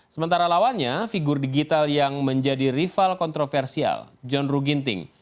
sementara lawannya figur digital yang menjadi rival kontroversial john ruh ginting